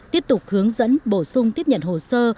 tiếp tục hướng dẫn bổ sung tiếp nhận hồ sơ